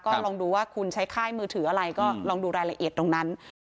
ก็ลองดูว่าคุณใช้ค่ายมือถืออะไรก็ลองดูรายละเอียดตรงนั้น